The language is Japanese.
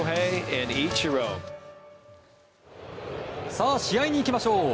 さあ試合に行きましょう。